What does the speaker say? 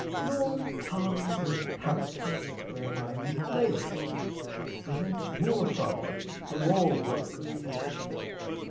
Nor tongue and palate, whereby we flavour feel, Present more problems for more work of thought.